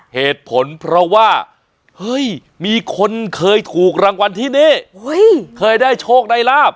เหตุผลเพราะว่าเฮ้ยมีคนเคยถูกรางวัลที่นี่เคยได้โชคได้ลาบ